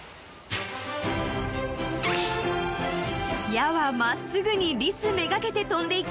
［矢は真っすぐにリス目がけて飛んでいき